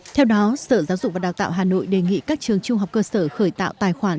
theo đó sở giáo dục và đào tạo hà nội đề nghị các trường trung học cơ sở khởi tạo tài khoản